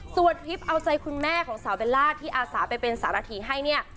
ส่วนทริปเอาใจคุณแม่ของสาวเบลล่าที่อาสาไปเป็นสารถีให้เนี่ย